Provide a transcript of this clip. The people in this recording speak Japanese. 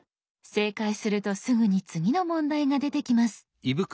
正解するとすぐに次の問題が出てきます。